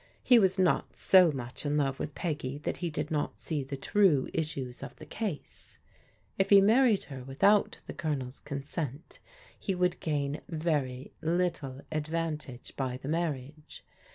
He was not so much in love with Peggy that he did not see the true issues of the case. If he married ^^er without the Colonel's consent he would gain verjr ARMY AND NAVY CLUB INTERVIEW 99 little advantage by the marriage.